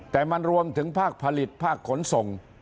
แต่มันรวมถึงภาคผลิตภาคขนส่ง